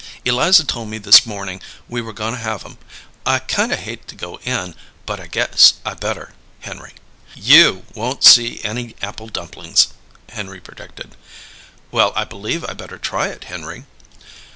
"Eliza told me this morning we were goin' to have 'em. I kind of hate to go in, but I guess I better, Henry." "You won't see any apple dumplings," Henry predicted. "Well, I believe I better try it, Henry."